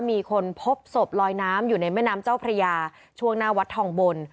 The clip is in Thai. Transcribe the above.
มีคนพบศพลอยน้ำอยู่ในแม่น้ำเจ้าพระยาช่วงหน้าวัดทองบน